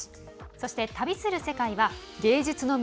そして「旅する世界」は芸術の都